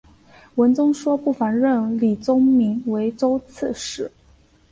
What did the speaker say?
文宗说不妨任李宗闵为州刺史。